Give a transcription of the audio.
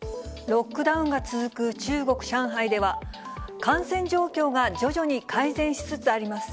ロックダウンが続く中国・上海では、感染状況が徐々に改善しつつあります。